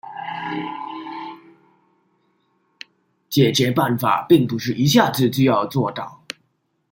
解決辦法並不是一下子就要做到